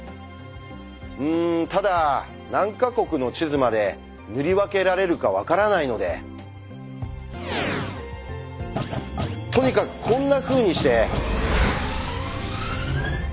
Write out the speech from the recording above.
うんただ何か国の地図まで塗り分けられるか分からないのでとにかくこんなふうにして。